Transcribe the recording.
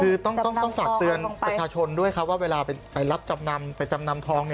คือต้องฝากเตือนประชาชนด้วยครับว่าเวลาไปรับจำนำไปจำนำทอง